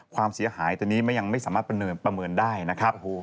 ความเสียหายตอนนี้ยังไม่สามารถประเมินได้นะครับ